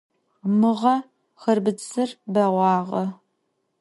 Mığe xhırbıdzır beğuağe.